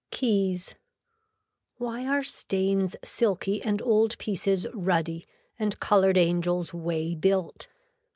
KEYS Why are stains silky and old pieces ruddy and colored angels way built.